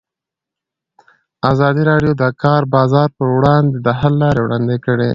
ازادي راډیو د د کار بازار پر وړاندې د حل لارې وړاندې کړي.